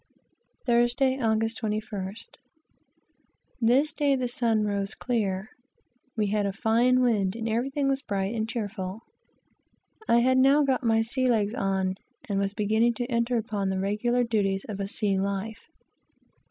Thursday, Aug. 21st. This day the sun rose clear, we had a fine wind, and everything was bright and cheerful. I had now got my sea legs on, and was beginning to enter upon the regular duties of a sea life.